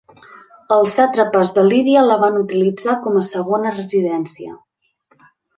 Els sàtrapes de Lídia la van utilitzar com a segona residència.